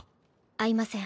会いません。